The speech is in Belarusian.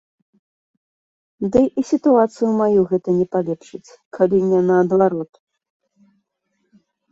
Ды і сітуацыю маю гэта не палепшыць, калі не наадварот.